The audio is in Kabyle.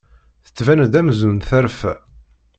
Tettban-d amzun terfa.